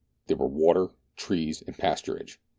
There were water, trees, and pasturage.